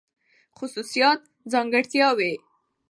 خصوصيات √ ځانګړتياوې